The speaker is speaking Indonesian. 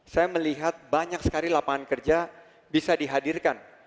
saya melihat banyak sekali lapangan kerja bisa dihadirkan